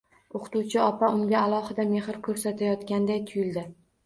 O‘qituvchi opa unga alohida mehr ko‘rsatayotganday tuyuldi.